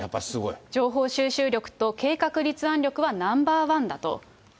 情報収集力と計画立案力はナンバーワンだと。